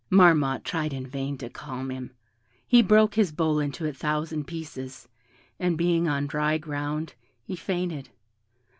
Marmotte tried in vain to calm him; he broke his bowl into a thousand pieces, and, being on dry ground, he fainted.